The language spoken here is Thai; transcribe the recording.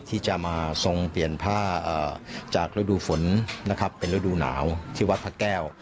ที่จะมาทรงเปลี่ยนผ้าจากฤดูฝนนะครับเป็นฤดูหนาวที่วัดพระแก้ว